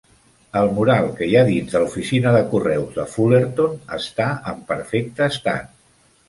El mural que hi ha a dins de l'oficina de Correus de Fullerton està en perfecte estat.